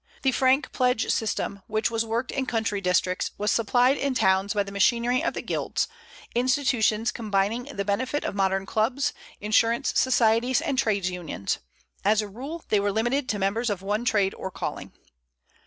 The frank pledge system, which was worked in country districts, was supplied in towns by the machinery of the guilds, institutions combining the benefit of modern clubs, insurance societies, and trades unions. As a rule, they were limited to members of one trade or calling."